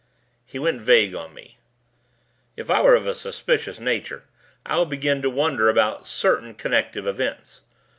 He went vague on me. "If I were of a suspicious nature, I would begin to wonder about certain connective events.